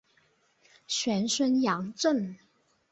玄孙杨震。